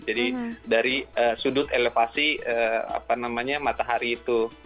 jadi dari sudut elevasi apa namanya matahari itu